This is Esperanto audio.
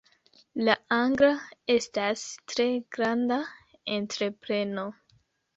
La angla estas tre granda entrepreno.